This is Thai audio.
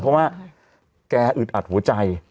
เพราะว่าแกอึดอัดหัวใจ